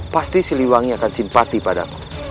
pasti si liwangi akan simpati padaku